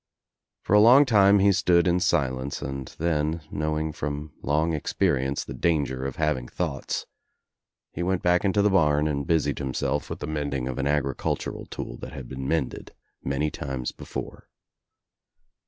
For a long time he stood in silence and then, knowing from long experience the danger of having thoughts, he went back Into the barn and busied himself with the mending of an agricultural tool that had been mended many times before.